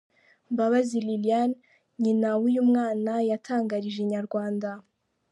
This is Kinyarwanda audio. Mbabazi Liliane, nyina w’uyu mwana yatangarije inyarwanda.